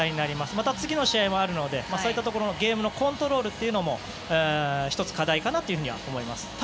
また次の試合もあるのでそういう試合のコントロールも１つ課題かなと思います。